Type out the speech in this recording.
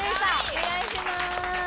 お願いしまーす。